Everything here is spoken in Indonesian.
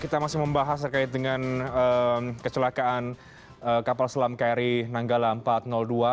kita masih membahas terkait dengan kecelakaan kapal selam kri nanggala empat ratus dua